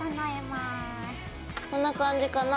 こんな感じかな？